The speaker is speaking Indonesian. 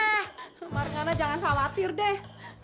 mama renggana jangan khawatir deh